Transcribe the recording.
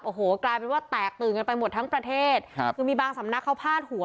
โอ้โหกลายเป็นว่าแตกตื่นกันไปหมดทั้งประเทศครับคือมีบางสำนักเขาพาดหัว